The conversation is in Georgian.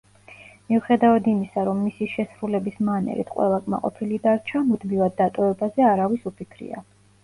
მიუხედავად იმისა, რომ მისი შესრულების მანერით ყველა კმაყოფილი დარჩა, მუდმივად დატოვებაზე არავის უფიქრია.